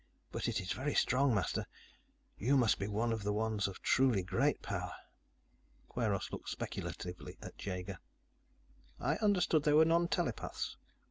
"But it is very strong, Master. You must be one of the ones of truly great power." Kweiros looked speculatively at Jaeger. "I understood they were nontelepaths.